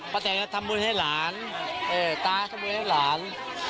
ป้าแต่นจะทำมูลให้หลานตาทำมูลให้หลาน